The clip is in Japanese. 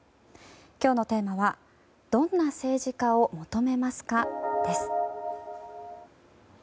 今日のテーマはどんな政治家を求めますかです。